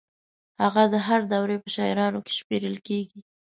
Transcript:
هغه د هر دور په شاعرانو کې شمېرل کېږي.